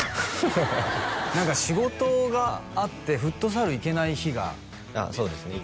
そやな何か仕事があってフットサル行けない日があっそうですね